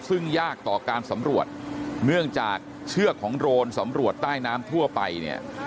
ซึ่งยากต่อการสำรวจเนื่องจากเชือกของโรนสำรวจใต้น้ำทั่วไปเนี่ย